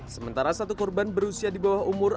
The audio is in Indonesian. sementara satu korban berusia di bawah umur